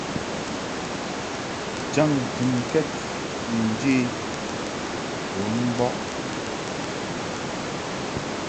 Jaŋ ntɨnkɛd ni njě bun mbɔʼ.